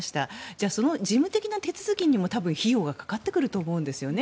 じゃあ、その事務的な手続きにも多分費用がかかってくると思うんですよね。